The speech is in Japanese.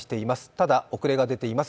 ただ遅れが出ています。